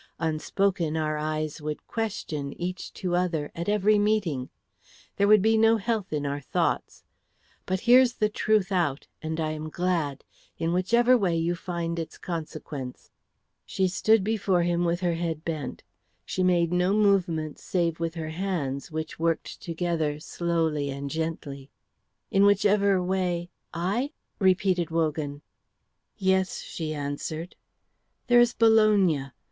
Unspoken our eyes would question, each to other, at every meeting; there would be no health in our thoughts. But here's the truth out, and I am glad in whichever way you find its consequence." She stood before him with her head bent. She made no movement save with her hands, which worked together slowly and gently. "In whichever way I ?" repeated Wogan. "Yes," she answered. "There is Bologna.